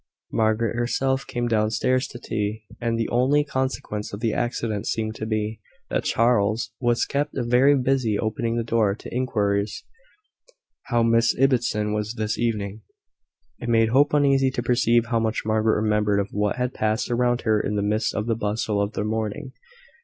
Margaret herself came down stairs to tea; and the only consequence of the accident seemed to be, that Charles was kept very busy opening the door to inquirers how Miss Ibbotson was this evening. It made Hope uneasy to perceive how much Margaret remembered of what had passed around her in the midst of the bustle of the morning.